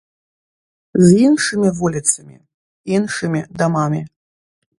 З іншымі вуліцамі, іншымі дамамі.